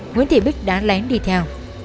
nguyễn thị bích đã lén đi theo